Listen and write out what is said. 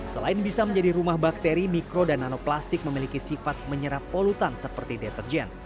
selain bisa menjadi rumah bakteri mikro dan nanoplastik memiliki sifat menyerap polutan seperti deterjen